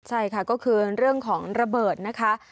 ใช่ค่ะก็คือเรื่องของระเบิดนะคะ